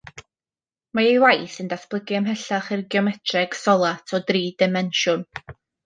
Mae ei waith yn datblygu ymhellach i'r geometreg solat o dri dimensiwn.